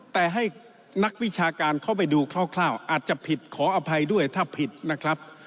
แต่ให้นักวิชาการเข้าไปดูคร่าวอาจจะผิดขออภัยด้วยถ้าผิดนะครับ